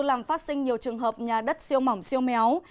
làm phát sinh nhiều trường hợp nhà đất siêu mỏng siêu méo